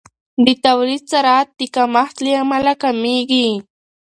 د تولید سرعت د کمښت له امله کمیږي.